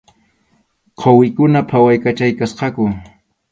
Quwikuna phawaykachaykuchkasqaku.